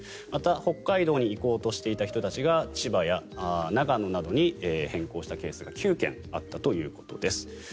また、北海道に行こうとしていた人たちが千葉や長野などに変更したケースが９件あったということです。